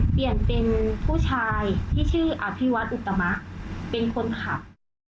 เปลี่ยนเป็นผู้ชายที่ชื่ออภิวัตอุตมะเป็นคนขับ